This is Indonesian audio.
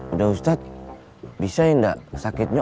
udah ustadz bisa ya enggak sakitnya